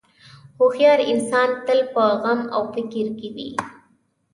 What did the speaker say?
هوښیار انسان تل په غم او فکر کې وي.